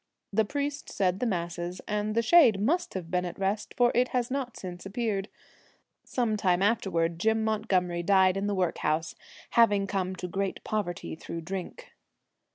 The priest said the masses, and the shade must have been at rest, for it has not since appeared. 3° Some time afterwards Jim Montgomery Village died in the workhouse, having come to great poverty through drink.